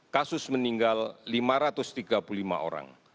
kasus meninggal lima ratus tiga puluh lima orang